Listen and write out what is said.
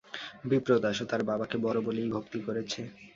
বিপ্রদাসও তার বাবাকে বড়ো বলেই ভক্তি করেছে।